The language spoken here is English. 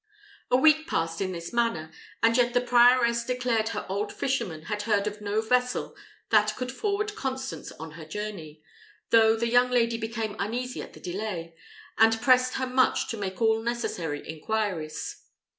A week passed in this manner, and yet the prioress declared her old fisherman had heard of no vessel that could forward Constance on her journey, though the young lady became uneasy at the delay, and pressed her much to make all necessary inquiries.